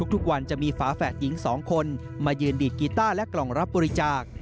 ทุกวันจะมีฝาแฝดหญิง๒คนมายืนดีดกีต้าและกล่องรับบริจาค